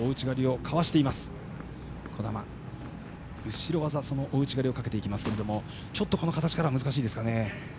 後ろ技、大内刈りをかけていきますけれどもこの形からは難しいですかね。